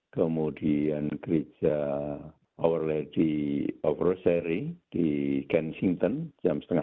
kemudian gereja our lady of rosary di kensington jam setengah empat